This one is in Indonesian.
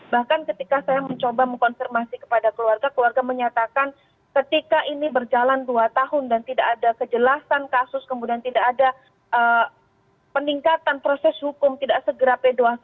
bahkan ketika saya mencoba mengkonfirmasi kepada keluarga keluarga menyatakan ketika ini berjalan dua tahun dan tidak ada kejelasan kasus kemudian tidak ada peningkatan proses hukum tidak segera p dua puluh satu